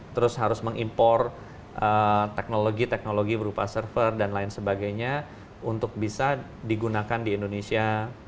terus harus mengimpor teknologi teknologi berupa server dan lain sebagainya untuk bisa digunakan di indonesia